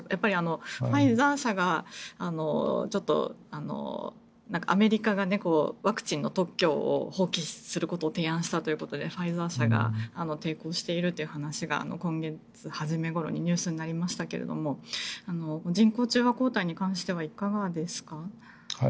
ファイザー社がアメリカがワクチンの特許を放棄することを提案したということでファイザー社が抵抗したという話が今月初めごろにニュースになりましたが人工中和抗体に関してはいかがですか。